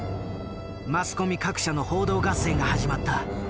マスコミ各社の報道合戦が始まった。